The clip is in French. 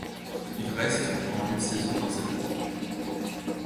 Il reste durant une saison dans cette équipe.